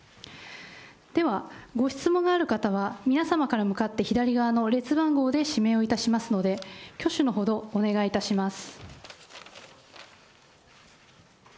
ではご質問がある方は、皆様から向かって左側の列番号で指名をいたしますので、挙手のほど、お願いいたします。